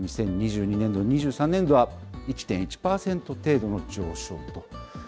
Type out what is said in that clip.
２０２２年度、２３年度は１．１％程度の上昇と。